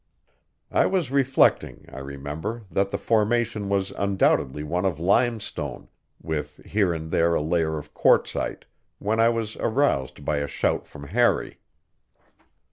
I was reflecting, I remember, that the formation was undoubtedly one of limestone, with here and there a layer of quartzite, when I was aroused by a shout from Harry.